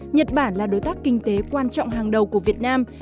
nhật bản là đối tác kinh tế quan trọng hàng đầu của việt nam